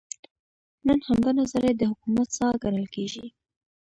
نن همدا نظریه د حکومت ساه ګڼل کېږي.